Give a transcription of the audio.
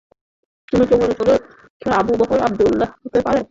তুমি কি মনে কর, সে আবু বকর আবদুল্লাহ হতে পারে?